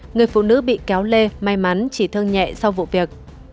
người phụ nữ bị kéo lê may mắn chỉ thương nhẹ sau vụ việc